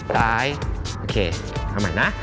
ตายโอเคเอาใหม่นะ